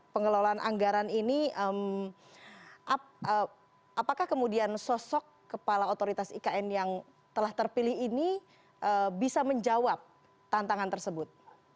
pengelolaan anggaran ini apakah kemudian sosok kepala otoritas ikn yang telah terpilih ini bisa menjawab tantangan tersebut